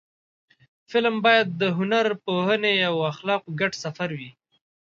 فلم باید د هنر، پوهنې او اخلاقو ګډ سفر وي